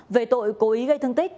về tội cố ý gây thương tích